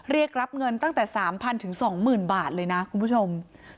เรียกรับเงินตั้งแต่๓๐๐๒๐๐บาทเลยนะคุณผู้ชม